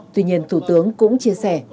tuy nhiên thủ tướng cũng chia sẻ